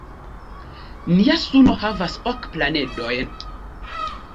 Nia suno havas ok planedojn.